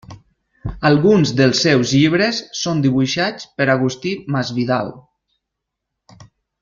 Alguns dels seus llibres són dibuixats per Agustí Masvidal.